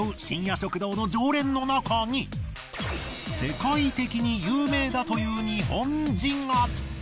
深夜食堂の常連の中に世界的に有名だという日本人が。